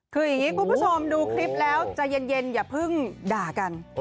คืออย่างนี้คุณผู้ชมดูคลิปแล้วใจเย็นอย่าเพิ่งด่ากัน